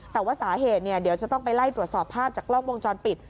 แต่ว่าสาเหตุเดี๋ยวจะต้องไปไล่ตรวจสอบภาพจากกล้องวงจรปิด